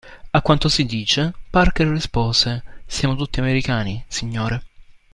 A quanto si dice, Parker rispose: "Siamo tutti americani, signore".